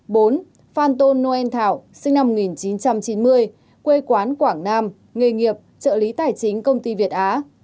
bốn phan tôn noel thảo sinh năm một nghìn chín trăm chín mươi quê quán quảng nam nghề nghiệp trợ lý tài chính công ty việt á